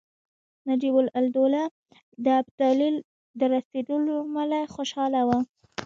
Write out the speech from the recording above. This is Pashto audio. نجیب الدوله د ابدالي د رسېدلو له امله خوشاله وو.